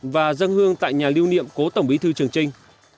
và dân hương tại nhà lưu niệm cố tổng bí thư trường trinh